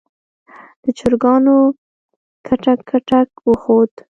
د چرګانو کټکټاک وخوت.